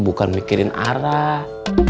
bukan mikirin arah